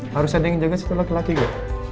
harus ada yang jaga setelah kelatih gue